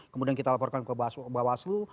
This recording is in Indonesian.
kemudian kita laporkan ke bawaslu